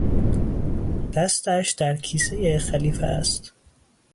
دستش در کیسهٔ خلیفه است.